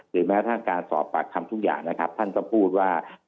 หรือแม้การการสอบบัคคลังทุกอย่างท่านก็พูดว่า